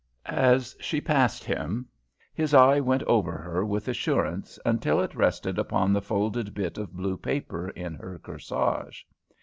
As she passed him, his eye went over her with assurance until it rested upon the folded bit of blue paper in her corsage.